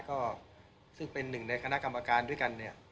ก็ซึ่งเป็นหนึ่งในคณะกรรมการด้วยกันเนี่ย